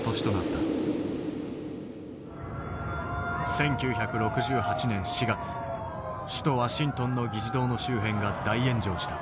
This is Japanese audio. １９６８年４月首都ワシントンの議事堂の周辺が大炎上した。